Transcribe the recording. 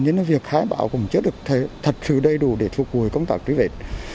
nên là việc khai bão cũng chưa được thật sự đầy đủ để phục vụ công tác truy vết